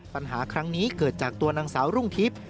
ปัญหาครั้งนี้เกิดจากตัวนางสาวรุ่งทิพย์